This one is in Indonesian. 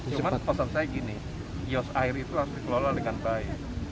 cuman pasal saya gini ios air itu harus dikelola dengan baik